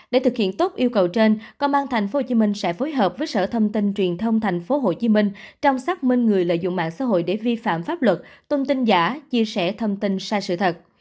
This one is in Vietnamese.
để thực hiện tốt yêu cầu trên công an tp hcm sẽ phối hợp với sở thông tin truyền thông tp hcm trong xác minh người lợi dụng mạng xã hội để vi phạm pháp luật tung tin giả chia sẻ thông tin sai sự thật